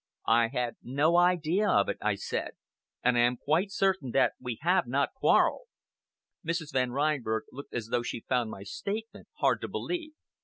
"I had no idea of it," I said, "and I am quite certain that we have not quarrelled." Mrs. Van Reinberg looked as though she found my statement hard to believe.